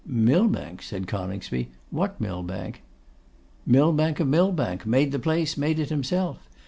'Millbank!' said Coningsby; 'what Millbank?' 'Millbank of Millbank, made the place, made it himself.